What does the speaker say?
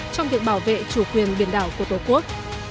trong việc bảo vệ chủ quyền biển đảo của tổ quốc